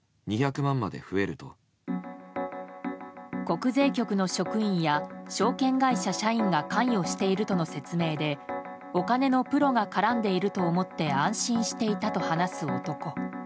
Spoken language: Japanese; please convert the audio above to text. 国税局の職員や証券会社社員が関与しているとの説明でお金のプロが絡んでいると思って安心していたと話す男。